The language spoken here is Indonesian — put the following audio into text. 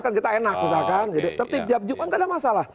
kita enak jadi tiap jumat gak ada masalah